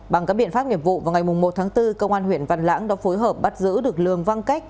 bằng các biện pháp nghiệp vụ vào ngày một tháng bốn công an huyện văn lãng đã phối hợp bắt giữ được lường văn cách